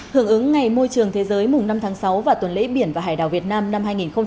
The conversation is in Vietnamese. hưởng ứng ngày môi trường thế giới mùng năm tháng sáu và tuần lễ biển và hải đảo việt nam năm hai nghìn hai mươi